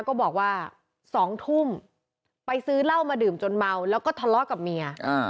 บอกว่า๒ทุ่มไปซื้อเหล้ามาดื่มจนเมาแล้วก็ทะเลาะกับเมีย